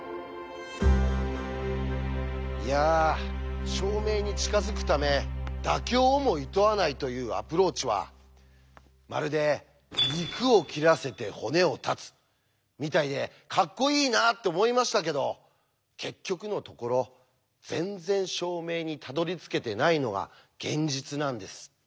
いや証明に近づくため妥協をもいとわないというアプローチはまるで「肉を切らせて骨を断つ」みたいでカッコいいなって思いましたけど結局のところ全然証明にたどりつけてないのが現実なんです。